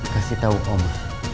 kasih tau oma